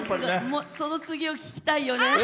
その次を聴きたいよね。